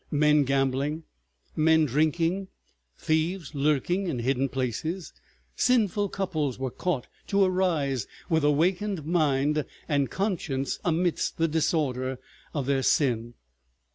Men gambling, men drinking, thieves lurking in hidden places, sinful couples, were caught, to arise with awakened mind and conscience amidst the disorder of their sin.